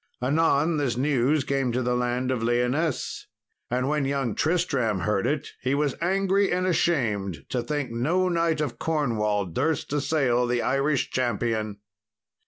Anon this news came to the land of Lyonesse, and when young Tristram heard it he was angry and ashamed to think no knight of Cornwall durst assail the Irish champion.